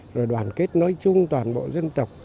rồi đoàn kết nói chung toàn bộ dân tộc